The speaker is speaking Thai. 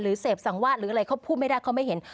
เสพสังวาดหรืออะไรเขาพูดไม่ได้เขาไม่เห็น